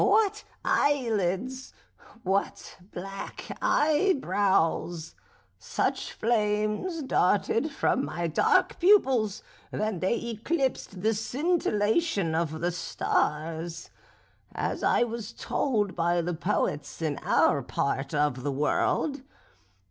what eyelids! what black eyebrows! such flames darted from my dark pupils that they eclipsed the scintillation of the stars as I was told by the poets in our part of the world.